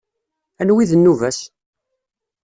Anwa i d nnuba-s?